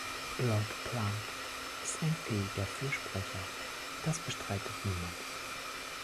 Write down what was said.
Lord Plumb ist ein fähiger Fürsprecher das bestreitet niemand.